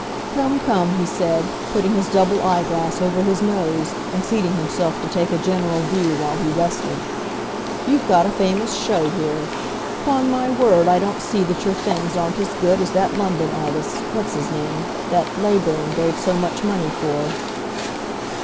"Come, come," he said, putting his double eye glass over his nose, and seating himself to take a general view while he rested, "you've got a famous show here. Upon my word, I don't see that your things aren't as good as that London artist's—what's his name—that Leyburn gave so much money for."